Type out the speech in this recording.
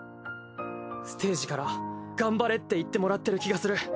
ステージから頑張れって言ってもらってる気がする。